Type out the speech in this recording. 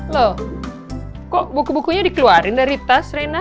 lo kok buku bukunya dikeluarin dari tas reina